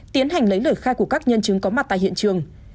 tiến hành lấy lời khai của các nhân chứng có mặt tại hiện trường